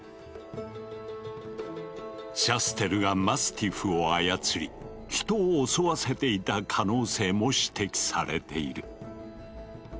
シャステルがマスティフを操り人を襲わせていた可能性も指摘されている。